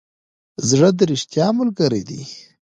زړه د ریښتیا ملګری دی.